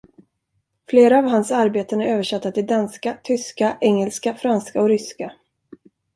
Flera av hans arbeten är översatta till danska, tyska, engelska, franska och ryska.